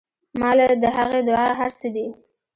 ما له د هغې دعا هر سه دي.